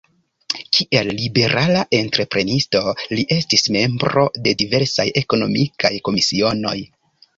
Kiel liberala entreprenisto li estis membro de diversaj ekonomikaj komisionoj.